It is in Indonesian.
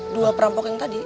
dua perampok yang tadi